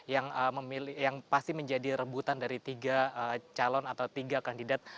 yang pasti menjadi rebutan dari tiga calon atau tiga kandidat